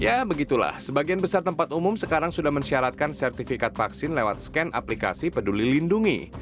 ya begitulah sebagian besar tempat umum sekarang sudah mensyaratkan sertifikat vaksin lewat scan aplikasi peduli lindungi